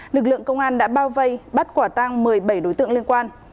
lực lượng công an đã bao vây bắt quả tang một mươi bảy đối tượng liên quan